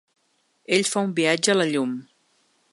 Ell fa un viatge a la llum.